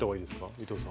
伊藤さん。